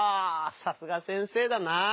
さすが先生だなぁ！